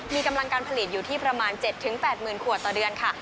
มีกำลังการผลิตอยู่ที่ประมาณ๗๘๐๐๐ขวดต่อเดือนค่ะ